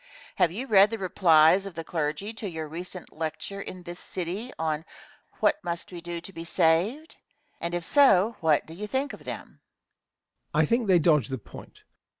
Have you read the replies of the clergy to your recent lecture in this city on "What Must we do to be Saved?" and if so what do you think of them? Answer. I think they dodge the point.